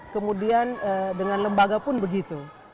kemudian dengan lembaga pun begitu